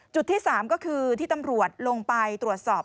จุดที่๓ก็คือที่ตำรวจลงไปตรวจสอบ